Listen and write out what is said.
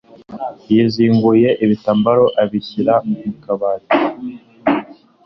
yizinguye igitambaro abishyira mu kabati